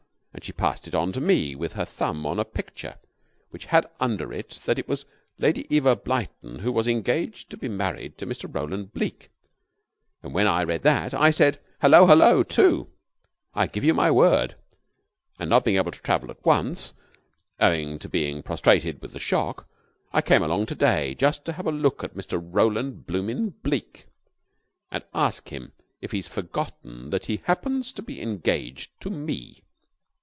and passed it on to me with her thumb on a picture which had under it that it was Lady Eva Blyton who was engaged to be married to Mr. Roland Bleke. And when I read that, I said 'Hullo! hullo!' too, I give you my word. And not being able to travel at once, owing to being prostrated with the shock, I came along to day, just to have a look at Mr. Roland Blooming Bleke, and ask him if he's forgotten that he happens to be engaged to me.